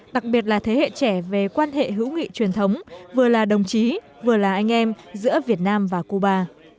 đặc biệt là thế hệ trẻ về quan hệ hữu nghị truyền thống vừa là đồng chí vừa là anh em giữa việt nam và cuba